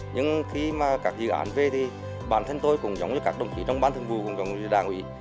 nhưng khi mà các dự án về thì bản thân tôi cũng giống như các đồng chí trong ban thường vụ cũng giống như đảng ủy